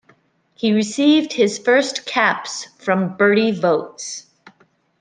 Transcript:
He received his first caps from Bertie Vogts.